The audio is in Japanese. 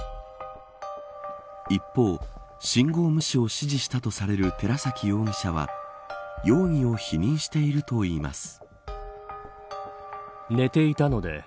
一方、信号無視を指示したとされる寺崎容疑者は容疑を否認しているといいます。